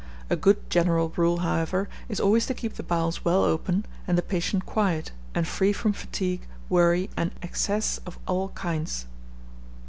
A good general rule, however, is always to keep the bowels well open, and the patient quiet, and free from fatigue, worry, and excess of all kinds.